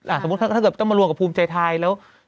สมมุติถ้าเกิดต้องมารวมกับภูมิใจไทยแล้ว